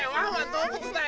どうぶつだよ！